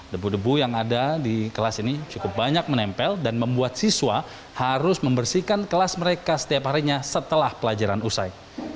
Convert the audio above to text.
debu debu yang ada di kelas ini cukup banyak menempel dan membuat siswa harus membersihkan kelas mereka setiap harinya setelah pelajaran usai